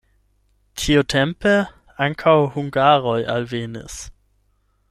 Tiutempe ankaŭ hungaroj alvenis.